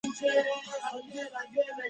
这引致后来伊阿宋乘阿格号之历险。